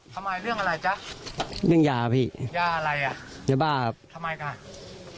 ทำไมเรื่องอะไรจ๊ะเรื่องยาพี่ยาอะไรอ่ะจะบ้าทำไมจ้ะ